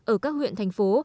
ở các huyện thành phố